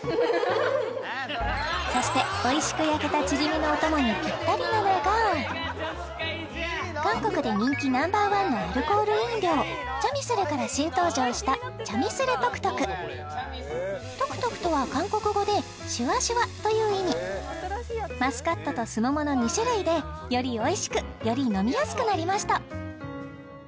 そしておいしく焼けたチヂミのお供にぴったりなのが韓国で人気ナンバーワンのアルコール飲料チャミスルから新登場したチャミスルトクトクトクトクとは韓国語でしゅわしゅわという意味マスカットとすももの２種類でよりおいしくより飲みやすくなりました